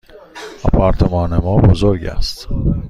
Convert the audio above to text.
آپارتمان ما بزرگ است.